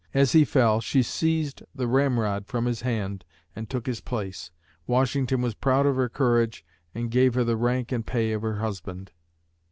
As he fell, she seized the ramrod from his hand and took his place. Washington was proud of her courage and gave her the rank and pay of her husband.